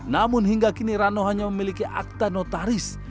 namun hingga kini rano hanya memiliki akta notaris